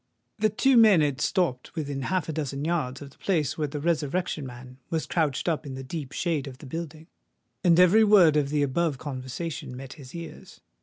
The two men had stopped within half a dozen yards of the place where the Resurrection Man was crouched up in the deep shade of the building; and every word of the above conversation met his ears.